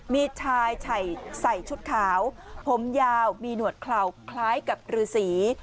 มีชายใส่ชุดขาวผมยาวมีหนวดเข่าคล้ายกับรือสี